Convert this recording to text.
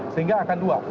sehingga akan dua